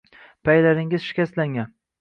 Paylaringiz shikastlangan.